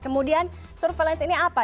kemudian surveillance ini apa